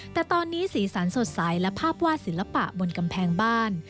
แต่ตอนนี้สีสันสดใสและภาพวาดศิลปะบนกำแพงบ้าน